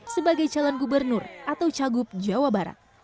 sebagai calon gubernur atau cagup jawa barat